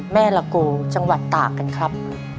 แม่ระโกจังหวัดต่ากันครับ